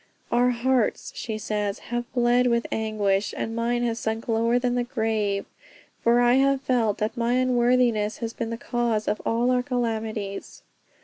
"Our hearts," she says, "have bled with anguish, and mine has sunk lower than the grave, for I have felt that my unworthiness has been the cause of all our calamities."